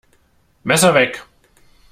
Messer weg!